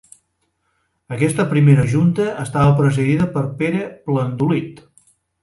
Aquesta primera junta estava presidida per Pere Plandolit.